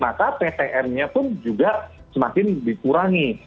maka ptm nya pun juga semakin dikurangi